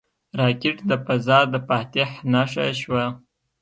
راکټ د فضا د فاتح نښه شوه